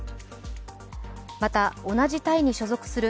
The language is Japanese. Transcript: また同じ隊に所属する